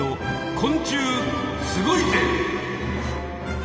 「昆虫すごいぜ！」。